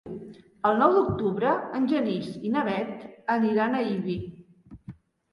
El nou d'octubre en Genís i na Bet aniran a Ibi.